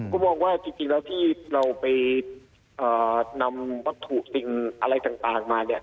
ก็มองว่าจริงแล้วที่เราไปนำวัตถุสิ่งอะไรต่างมาเนี่ย